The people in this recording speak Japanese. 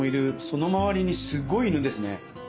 その周りにすごい犬ですね。